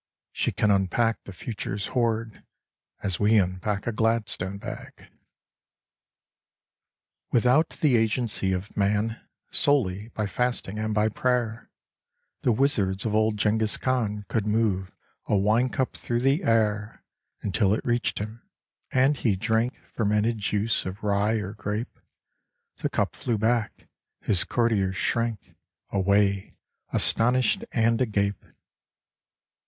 She can unpack the future's hoard As we unpack a Gladstone bag. Without the agency of man, Solely by fasting and by prayer. The wizards of old Jcnghiz Khan Could move a wine cup through the air Until it reached him ; and he drank Fermented juice of rye or grape ; The cup flew back ; his courtiers shrank Away, astonished and agape.